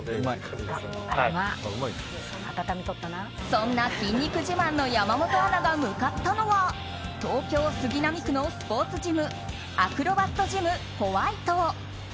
そんな筋肉自慢の山本アナが向かったのは東京・杉並区のスポーツジムアクロバットジムホワイト。